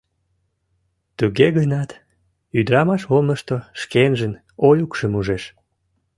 Туге гынат, ӱдырамаш олмышто шкенжын Олюкшым ужеш.